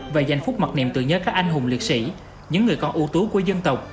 và giành phúc mặt niệm tự nhớ các anh hùng liệt sĩ những người con ưu tú của dân tộc